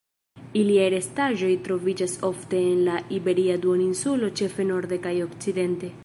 Iliaj restaĵoj troviĝas ofte en la Iberia Duoninsulo ĉefe norde kaj okcidente.